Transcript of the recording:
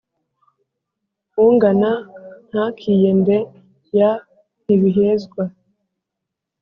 ungana ntakiyende ya ntibihezwa